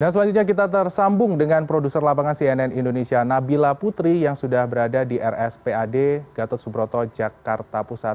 dan selanjutnya kita tersambung dengan produser lapangan cnn indonesia nabila putri yang sudah berada di rs pad gatot subroto jakarta pusat